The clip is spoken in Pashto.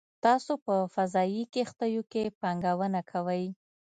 تاسو په فضايي کښتیو کې پانګونه کوئ